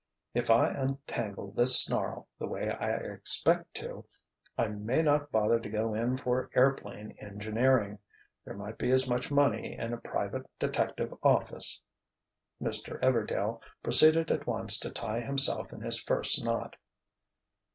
"If I untangle this snarl the way I expect to, I may not bother to go in for airplane engineering. There might be as much money in a private detective office." Mr. "Everdail" proceeded at once to tie himself in his first knot.